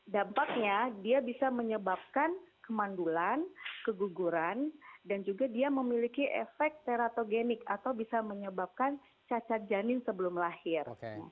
dampaknya dia bisa menyebabkan kemandulan keguguran dan juga dia memiliki efek teratogenik atau bisa menyebabkan cacat janin sebelum lahir